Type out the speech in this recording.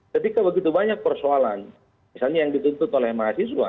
ketika begitu banyak persoalan misalnya yang dituntut oleh mahasiswa